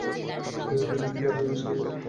ম্যালেরিয়ার পরজীবী আবিষ্কার করেন কে?